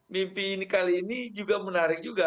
mimpi ini kali ini juga menarik juga